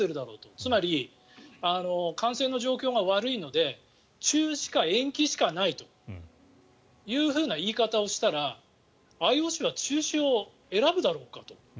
つまり、感染の状況が悪いので中止か延期しかないというふうな言い方をしたらＩＯＣは中止を選ぶだろうかと。